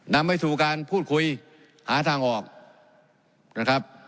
นำไปสู่การพูดคุยหาทางออกนะครับ